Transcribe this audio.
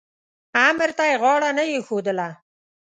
امر ته یې غاړه نه ایښودله.